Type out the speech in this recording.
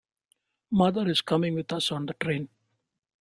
Mother is coming with us on the train.